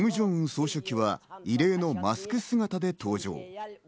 総書記は異例のマスク姿で登場。